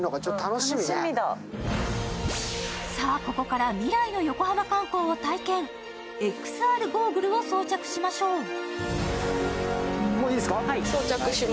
ここから未来の横浜観光を体験、ＸＲゴーグルを装着しましょう。